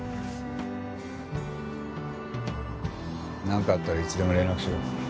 なんかあったらいつでも連絡しろ。